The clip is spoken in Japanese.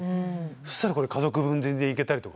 そしたらこれ家族分全然いけたりとかね。